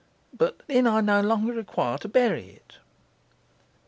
But then I no longer require to bury it.